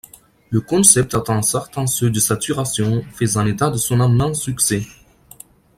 Le concept a atteint certains seuils de saturation, faisant état de son immense succès.